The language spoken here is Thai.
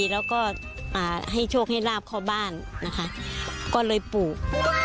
แล้วก็ให้โชคให้ลาบเข้าบ้านนะคะก็เลยปลูก